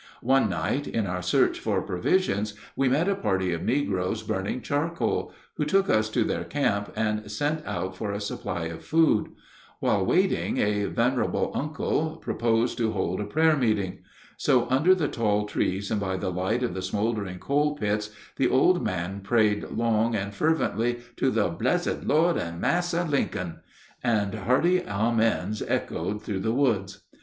One night, in our search for provisions, we met a party of negroes burning charcoal, who took us to their camp and sent out for a supply of food. While waiting a venerable "uncle" proposed to hold a prayer meeting. So under the tall trees and by the light of the smoldering coal pits the old man prayed long and fervently to the "bressed Lord and Massa Lincoln," and hearty amens echoed through the woods.